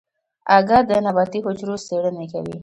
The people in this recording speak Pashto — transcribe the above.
اگه د نباتي حجرو څېړنې کوي.